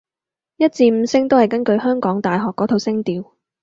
一至五聲都係根據香港大學嗰套聲調